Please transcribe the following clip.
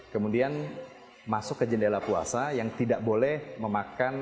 kemudian masuk ke jendela puasa yang tidak boleh memakan